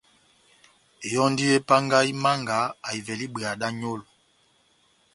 Yɔndi epangahi Manga ahivɛle ibweya da nyolo